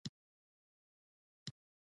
د ژوندانه یوه ستره نېکمرغي ده.